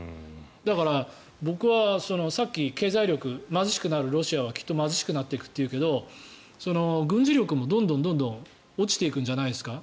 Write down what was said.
だから、僕は、さっき経済力貧しくなるロシアはきっと貧しくなっていくっていうけど、軍事力もどんどんどんどん落ちていくんじゃないですか？